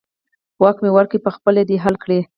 واک مې ورکړی، په خپله دې حل کړي.